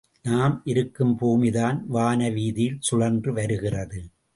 நாம் இருக்கும் பூமிதான் வானவீதியில் சுழன்று வருகிறது.